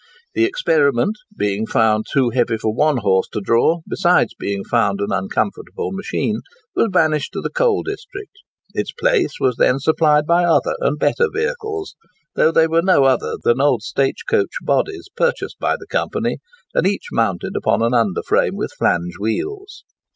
"The Experiment" being found too heavy for one horse to draw, besides being found an uncomfortable machine, was banished to the coal district. Its place was then supplied by other and better vehicles,—though they were no other than old stage coach bodies purchased by the company, and each mounted upon an underframe with flange wheels.